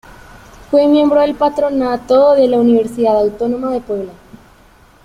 Fue miembro del patronato de la Universidad Autónoma de Puebla.